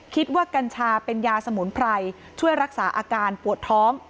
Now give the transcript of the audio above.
กัญชาเป็นยาสมุนไพรช่วยรักษาอาการปวดท้อง